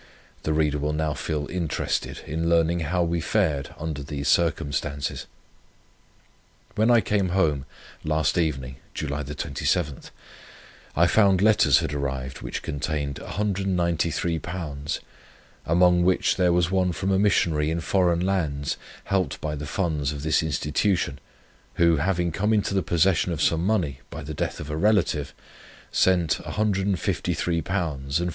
The reader will now feel interested in learning how we fared under these circumstances. "When I came home, last evening (July 27), I found letters had arrived, which contained £193, among which there was one from a Missionary in Foreign lands, helped by the funds of this Institution, who, having come into the possession of some money, by the death of a relative, sent £153 0s. 4d.